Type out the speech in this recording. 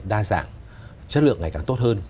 đa dạng chất lượng ngày càng tốt hơn